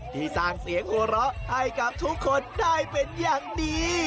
ที่สร้างเสียงหัวเราะให้กับทุกคนได้เป็นอย่างดี